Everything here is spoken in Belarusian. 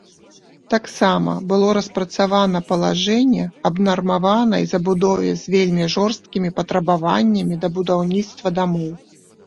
Таксама было распрацавана палажэнне аб нармаванай забудове з вельмі жорсткімі патрабаваннямі да будаўніцтва дамоў.